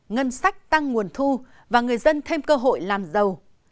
ngân sách tăng nguồn thu và người dân thêm cơ hội làm giàu